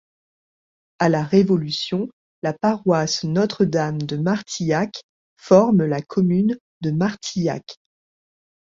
À la Révolution, la paroisse Notre-Dame de Martillac forme la commune de Martillac.